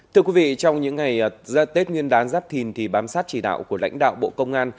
thưa quý vị trong những ngày tết nguyên đán giáp thìn thì bám sát chỉ đạo của lãnh đạo bộ công an